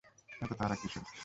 এত তাড়া কীসের?